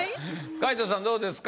皆藤さんどうですか？